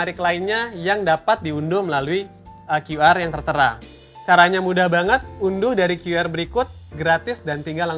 sampai jumpa pada pertemuan berikutnya